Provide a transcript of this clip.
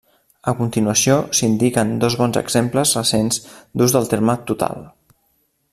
A continuació s'indiquen dos bons exemples recents d'ús del terme 'total'.